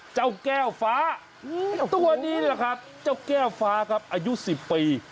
เจ้าแก้วฟ้าตัวนี้แหละครับเจ้าแก้วฟ้าครับอายุ๑๐ปี